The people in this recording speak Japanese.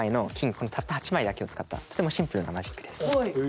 このたった８枚だけを使ったとてもシンプルなマジックです。